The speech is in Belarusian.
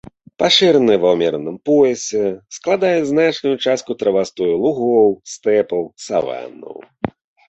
Пашыраны ва ўмераным поясе, складаюць значную частку травастою лугоў, стэпаў, саваннаў.